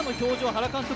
原監督